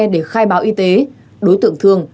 để khai báo y tế đối tượng thương